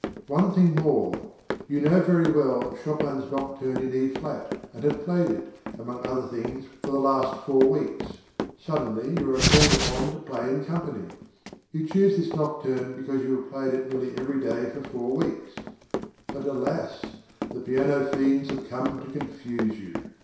One thing more: you know very well Chopin's Nocturne in E flat, and have played it, among other things, for the last four weeks. Suddenly you are called upon to play in company. You choose this Nocturne because you have played it nearly every day for four weeks. But alas! the piano fiends have come to confuse you!